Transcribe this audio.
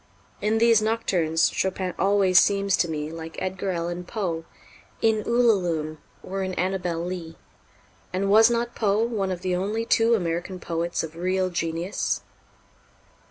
In these Nocturnes, Chopin always seems to me like Edgar Allan Poe in "Ullalume" or in "Annabel Lee" and was not Poe one of the only two American poets of real genius?